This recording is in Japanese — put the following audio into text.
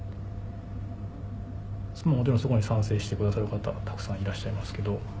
でもそこに賛成してくださる方もたくさんいらっしゃいますけど。